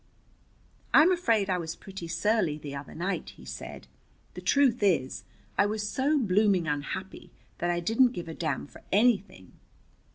"I'm afraid I was pretty surly the other night," he said. "The truth is, I was so blooming unhappy that I didn't give a damn for anything."